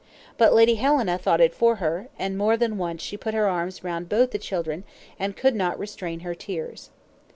But Lady Helena thought it for her, and more than once she put her arms round both the children, and could not restrain her tears.